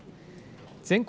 全国